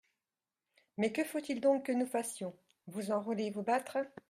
»Mais que faut-il donc que nous fassions ? »Vous enrôler et vous battre.